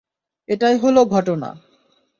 এটাই হলো ঘটনা।